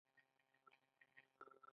آیا دوی په نړیوال جام کې نه دي لوبېدلي؟